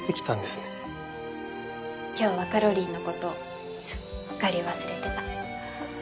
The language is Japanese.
今日はカロリーの事すっかり忘れてた。